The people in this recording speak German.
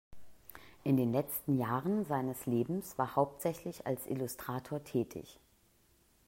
In den letzten Jahren seines Lebens war hauptsächlich als Illustrator tätig.